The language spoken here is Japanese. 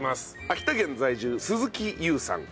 秋田県在住鈴木雄さん